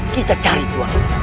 kita cari juara